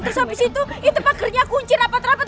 terus abis itu itu bagernya kunci rapat rapat